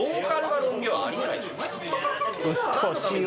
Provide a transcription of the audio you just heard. うっとうしいわ。